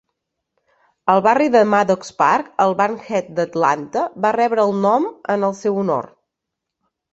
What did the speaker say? El barri de Maddox Park, al Bankhead d'Atlanta, va rebre el nom en el seu honor.